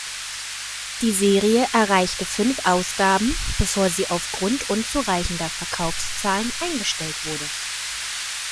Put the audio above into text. Die Serie erreichte fünf Ausgaben bevor sie aufgrund unzureichender Verkaufszahlen eingestellt wurde.